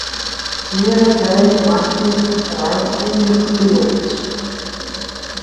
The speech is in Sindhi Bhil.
ايئي ري ڪري مآݩجيٚ رآئيٽيٚنگ سُٺيٚ اهي۔